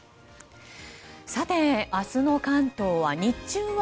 明日の関東は日中は